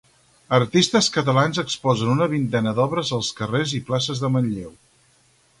Artistes catalans exposen una vintena d'obres als carrers i places de Manlleu.